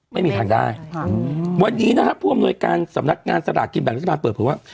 ไม่มีทางได้วันนี้นะฮะผู้อำนวยการสำนักงานสลากกินแบ่งรัฐบาลเปิดเผยว่า